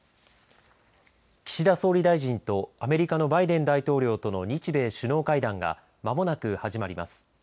岸田総理大臣とアメリカのバイデン大統領との日米首脳会談がまもなく始まります。